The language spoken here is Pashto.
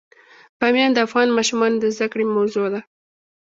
بامیان د افغان ماشومانو د زده کړې موضوع ده.